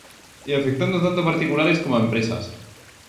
E afectando tanto a particulares como a empresas.